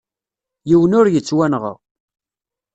Yiwen ur yettwanɣa.